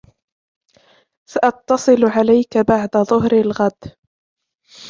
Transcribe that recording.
سأتصل عليك بعد ظهر الغد.